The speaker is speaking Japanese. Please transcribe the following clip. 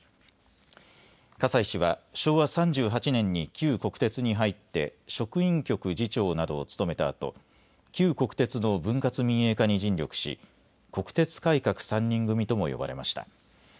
葛西氏は昭和３８年に旧国鉄に入って職員局次長などを務めたあと旧国鉄の分割民営化に尽力し国鉄改革３人組とも呼ばれました。